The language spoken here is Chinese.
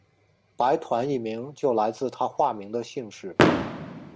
白团一名就来自他化名的姓氏。